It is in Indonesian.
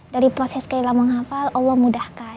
dari proses keila menghafal allah mudahkan